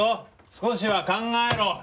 少しは考えろ。